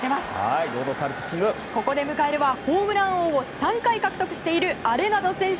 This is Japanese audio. ここで迎えるはホームラン王を３回獲得しているアレナド選手。